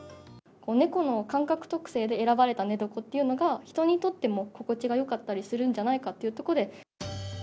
猫の感覚特性で選ばれた寝床っていうのが、人にとっても心地がよかったりするんじゃないかっていうことで。